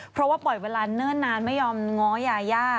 เพราะว่าปล่อยเวลาเนิ่นนานไม่ยอมง้อยาย่า